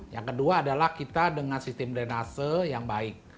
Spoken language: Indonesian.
yang kedua adalah kita dengan sistem drenase yang baik